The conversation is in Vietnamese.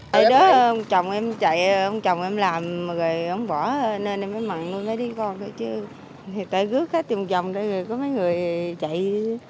tại đó ông chồng em chạy ông chồng em làm mà rồi ông bỏ nên em mới mặn luôn mới đi con thôi chứ thì tại rước khách vòng vòng rồi có mấy người chạy